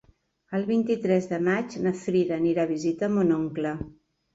El vint-i-tres de maig na Frida anirà a visitar mon oncle.